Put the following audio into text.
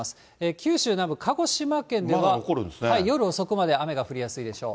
九州南部、鹿児島県では夜遅くまで雨が降りやすいでしょう。